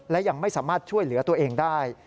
และยังไม่สามารถช่วยเหลือตัวเองได้